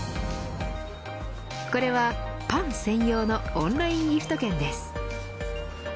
これはパン専用のオンラインギフト券です。